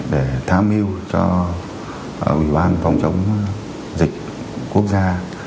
để tham mưu cho ủy ban phòng chống dịch quốc gia